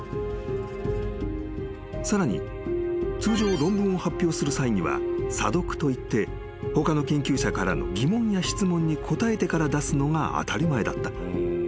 ［さらに通常論文を発表する際には査読といって他の研究者からの疑問や質問に答えてから出すのが当たり前だった］